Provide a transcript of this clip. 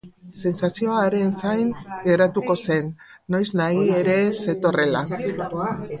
Sentsazio haren zain geratuko zen, noiznahi ere zetorrela.